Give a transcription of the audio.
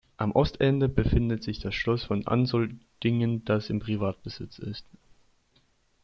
Am Ostende befindet sich das Schloss von Amsoldingen, das in Privatbesitz ist.